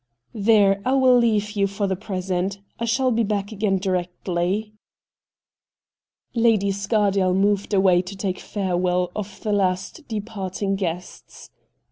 ' There, I will leave you for the present. I shall be back again directly.' Lady Scardale moved away to take fare well of the last departing guests.